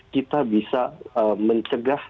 kita bisa mencegah